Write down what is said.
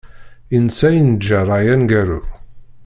I netta i neǧǧa rray aneggaru.